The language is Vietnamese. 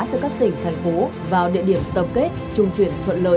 từ các tỉnh thành phố vào địa điểm tập kết trung chuyển thuận lợi